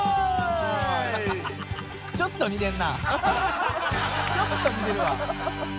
ちょっと似てるわ。